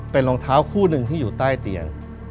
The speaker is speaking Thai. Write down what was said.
เป็นรองเท้าคู่หนึ่งที่อยู่ใต้เตียง